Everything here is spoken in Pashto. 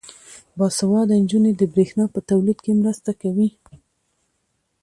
باسواده نجونې د برښنا په تولید کې مرسته کوي.